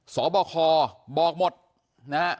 สอบคอบอกหมดนะฮะ